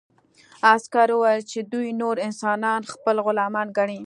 عسکر وویل چې دوی نور انسانان خپل غلامان ګڼي